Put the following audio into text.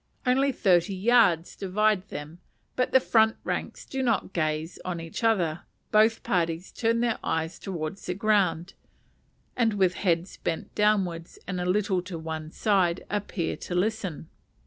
Only thirty yards divide them; but the front ranks do not gaze on each other: both parties turn their eyes towards the ground, and with heads bent downwards, and a little to one side, appear to listen.